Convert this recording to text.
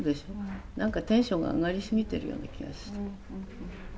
何かテンションが上がりすぎてるような気がする。